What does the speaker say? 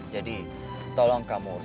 jadi tolong kamu